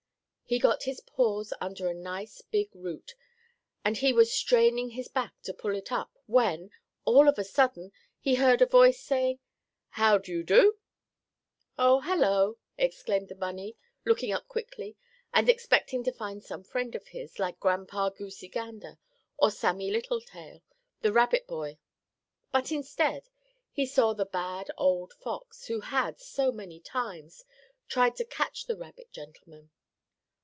He got his paws under a nice, big root, and he was straining his back to pull it up, when, all of a sudden, he heard a voice saying: "How do you do?" "Oh, hello!" exclaimed the bunny, looking up quickly, and expecting to see some friend of his, like Grandpa Goosey Gander, or Sammie Littletail, the rabbit boy. But, instead, he saw the bad old fox, who had, so many times, tried to catch the rabbit gentleman.